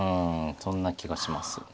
そんな気がします。